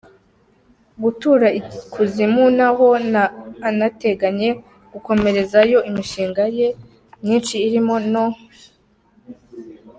gutura ikuzimu aho anateganya gukomerezayo imishinga ye myinshi irimo no.